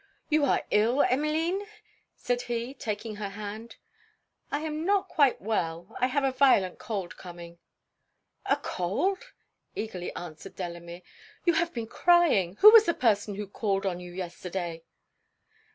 'You are ill, Emmeline?' said he, taking her hand. 'I am not quite well I have a violent cold coming.' 'A cold?' eagerly answered Delamere, 'you have been crying who was the person who called on you yesterday?'